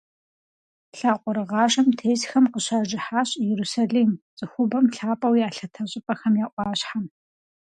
Лъакъуэрыгъажэм тесхэм къыщажыхьащ Иерусалим - цӏыхубэм лъапӏэу ялъытэ щӏыпӏэхэм я ӏуащхьэм.